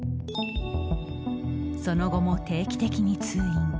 その後も定期的に通院。